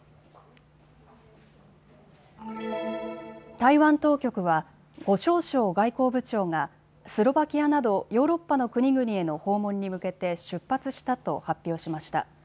台湾当局は呉しょう燮外交部長がスロバキアなどヨーロッパの国々への訪問に向けて出発したと発表しました。